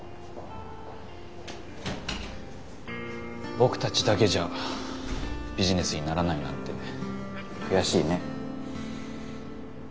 僕たちだけじゃビジネスにならないなんて悔しいね。